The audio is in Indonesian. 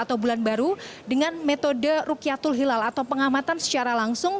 atau bulan baru dengan metode rukyatul hilal atau pengamatan secara langsung